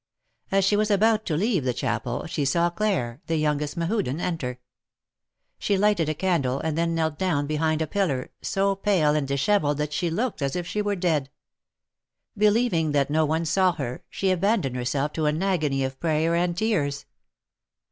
As she was about to leave the chapel she saw Claire, the youngest Mehuden, enter. She lighted a candle, and then knelt down behind a pillar, so pale and dishevelled that she looked as if she were dead. Be lieving that no one saw her, she abandoned herself to an agony of prayer and tears.